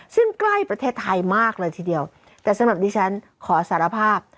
ซึ่งใกล้ประเทศไทยมากเลยทีเดียวแต่สำหรับดิฉันขอสารภาพ